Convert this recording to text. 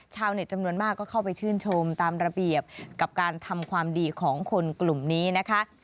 ชาวเน็ตจำนวนมากก็เข้าไปชื่นชมตามระเบียบกับการทำความดีของคนกลุ่มนี้นะคะ